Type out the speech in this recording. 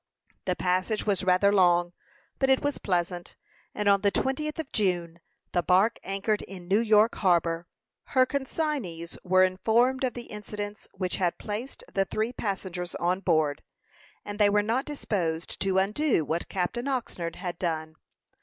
The passage was rather long, but it was pleasant, and on the twentieth of June the bark anchored in New York harbor. Her consignees were informed of the incidents which had placed the three passengers on board, and they were not disposed to undo what Captain Oxnard had done.